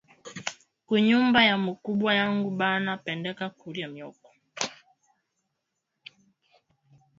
Ku nyumba ya mukubwa yangu bana pendaka kuria mioko